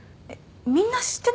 みんな知ってたの？